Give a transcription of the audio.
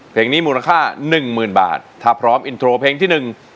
เพลงนี้มูลค่า๑หมื่นบาทถ้าพร้อมอินโทรเพลงที่๑